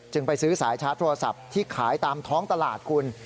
ไปซื้อสายชาร์จโทรศัพท์ที่ขายตามท้องตลาดคุณ